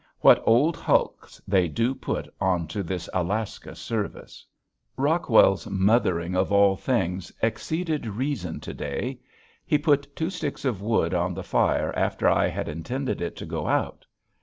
What old hulks they do put onto this Alaska service. [Illustration: PRISON BARS] Rockwell's mothering of all things exceeded reason to day. He put two sticks of wood on the fire after I had intended it to go out.